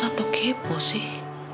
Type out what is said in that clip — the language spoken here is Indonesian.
atau kepo sih